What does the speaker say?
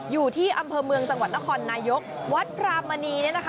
อยู่ที่อำเภอเมืองจังหวัดนครนายกวัดพรามณีเนี่ยนะคะ